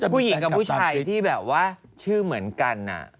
ผู้หญิงกับผู้ชายที่แบบว่าชื่อเหมือนกัน